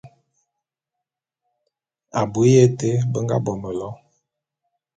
Abui ya été be nga bo mélo.